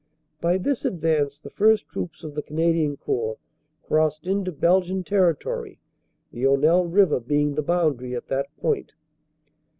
By this advance the first troops of the Canadian Corps crossed 378 CANADA S HUNDRED DAYS into Belgian territory, the Aunelle River being the boundary at that point.